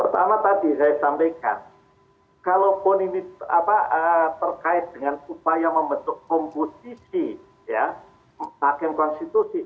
pertama tadi saya sampaikan kalau pun ini apa terkait dengan upaya membentuk komposisi ya hakim konstitusi